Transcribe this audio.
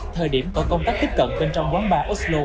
thời điểm có công tác tiếp cận bên trong quán bar oslo